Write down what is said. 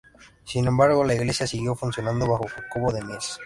Sin embargo, la iglesia siguió funcionando bajo Jacobo de Mies.